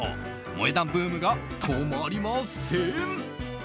萌え断ブームが止まりません！